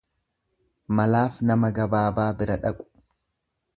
Malaaf nama gabaabaa bira dhaqu.